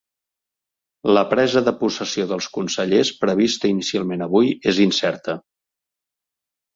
La presa de possessió dels consellers, prevista inicialment avui, és incerta.